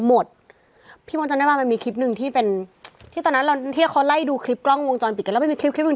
หมามะโนเยอะจนไม่รู้อันไหนจริงอันไหนไม่จริง